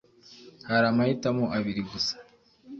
Hari amahitamo abiri gusa